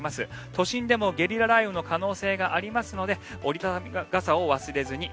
都心でもゲリラ雷雨の可能性がありますので折り畳み傘を忘れずに。